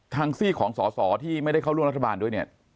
ซี่ของสอสอที่ไม่ได้เข้าร่วมรัฐบาลด้วยเนี่ย